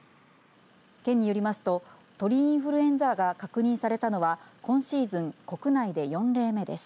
県によりますと鳥インフルエンザが確認されたのは今シーズン、国内で４例目です。